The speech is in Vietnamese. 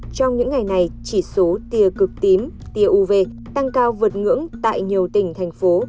trong những ngày này chỉ số tia cực tím tia uv tăng cao vượt ngưỡng tại nhiều tỉnh thành phố